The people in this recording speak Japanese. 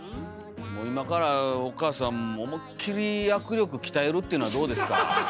もう今からお母さん思いっきり握力鍛えるっていうのはどうですか？